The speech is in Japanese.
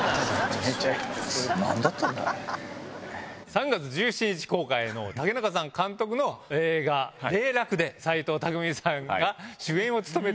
３月１７日公開の竹中さん監督の映画『零落』で斎藤工さんが主演を務めている。